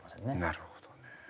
なるほどね。